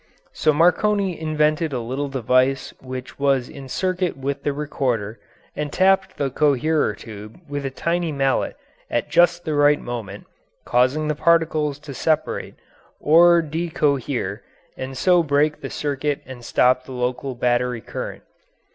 So Marconi invented a little device which was in circuit with the recorder and tapped the coherer tube with a tiny mallet at just the right moment, causing the particles to separate, or decohere, and so break the circuit and stop the local battery current.